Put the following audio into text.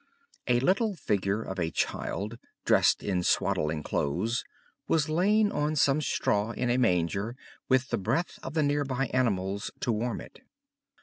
A little figure of a child, dressed in swaddling clothes, was laid on some straw in a manger with the breath of the nearby animals to warm it.